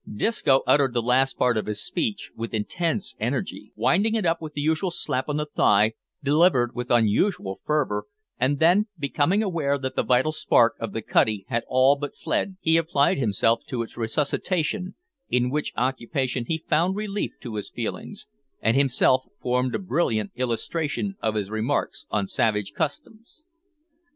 Disco uttered the last part of his speech with intense energy, winding it up with the usual slap on the thigh, delivered with unusual fervour, and then, becoming aware that the vital spark of the cutty had all but fled, he applied himself to its resuscitation, in which occupation he found relief to his feelings, and himself formed a brilliant illustration of his remarks on savage customs.